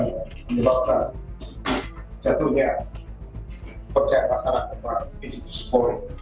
menyebabkan jatuhnya percaya masyarakat terhadap institusi polri